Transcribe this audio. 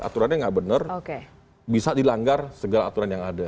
aturannya nggak benar bisa dilanggar segala aturan yang ada